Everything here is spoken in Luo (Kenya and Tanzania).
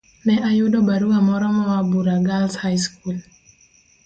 Ne ayudo barua moro moa Bura Girls' High School.